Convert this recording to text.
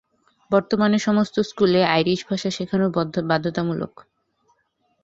বর্তমানে সমস্ত স্কুলে আইরিশ ভাষা শেখানো বাধ্যতামূলক।